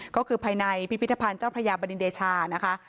ก็คือภายในพิพิธภัณฑ์เจ้าพระยาบดินเดชานะคะ